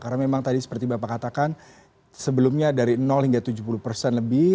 karena memang tadi seperti bapak katakan sebelumnya dari hingga tujuh puluh persen lebih